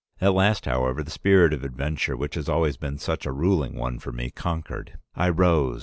"At last, however, the spirit of adventure, which has always been such a ruling one for me, conquered. I rose.